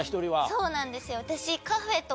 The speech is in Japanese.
そうなんですよ私。